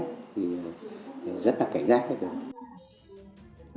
thì rất là cảnh giác đấy